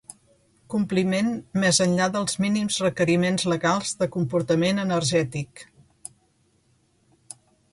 Compliment més enllà dels mínims requeriments legals de comportament energètic.